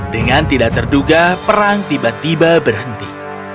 dengan tidak terduga perang tiba tiba berhenti